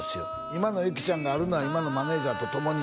「今の有紀ちゃんがあるのは今のマネージャーと共に」